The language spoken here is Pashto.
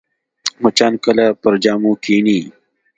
مچان کله پر جامو کښېني